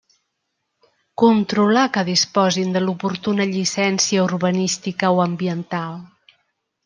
Controlar que disposin de l'oportuna llicència urbanística o ambiental.